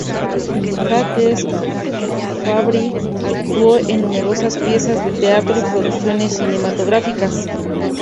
Jacques Fabbri actuó en numerosas piezas de teatro y producciones cinematográficas.